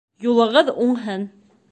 Юлығыҙ уңһын